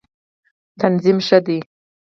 تنظیم ښه دی.